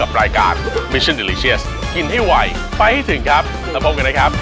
เอาเริ่ม